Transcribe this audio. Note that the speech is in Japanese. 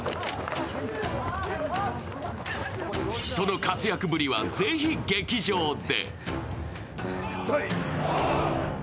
その活躍ぶりは是非劇場で。